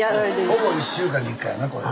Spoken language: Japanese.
ほぼ１週間に１回やなこれ。